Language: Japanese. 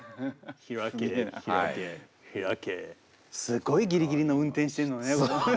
すごいギリギリの運転してんのね。